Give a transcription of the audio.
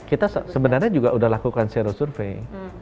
kita sebenarnya juga udah lakukan seru survei